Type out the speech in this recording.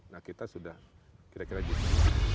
nah kita sudah kira kira gitu